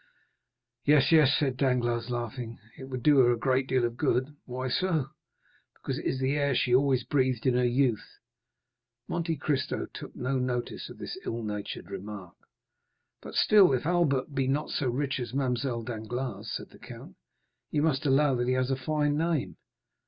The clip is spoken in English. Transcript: "Yes, yes," said Danglars, laughing, "it would do her a great deal of good." "Why so?" "Because it is the air she always breathed in her youth." Monte Cristo took no notice of this ill natured remark. "But still, if Albert be not so rich as Mademoiselle Danglars," said the count, "you must allow that he has a fine name?"